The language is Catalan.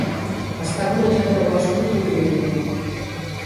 Està vorejat de boscos d'olivella.